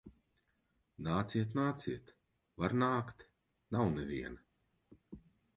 Nāciet, nāciet! Var nākt. Nav neviena.